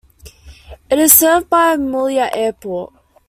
It is served by Mouila Airport.